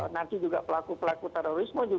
nanti juga pelaku pelaku terorisme